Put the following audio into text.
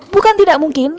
bukan tidak mungkin